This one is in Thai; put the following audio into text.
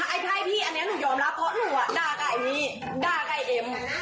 ไอ้ใช่พี่อันนี้หนูยอมรับเพราะหนูอ่ะด่ากับไอ้นี่ด่ากับเอ็ม